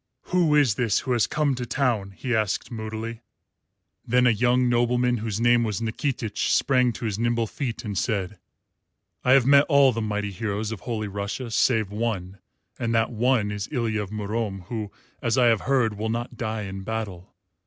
"Who is this who has come to town?" he asked moodily. Then a young nobleman, whose name was Nikitich, sprang to his nimble feet and said, "I have met all the mighty heroes of Holy Russia save one, and that one is Ilya of Murom, who, I have heard, will not die in battle.